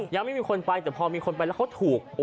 ยังไม่มีคนไปแต่พอมีคนไปแล้วเขาถูก